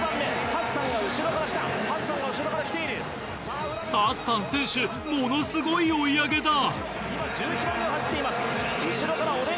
ハッサン選手ものすごい追い上げだ。